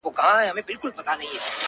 که هر څو نجوني ږغېږي چي لونګ یم ـ